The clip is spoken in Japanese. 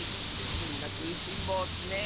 みんなくいしんぼうッスね！